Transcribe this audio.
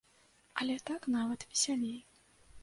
Але так нават весялей.